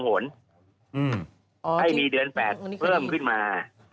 ให้มีเดือน๘เพิ่มขึ้นมา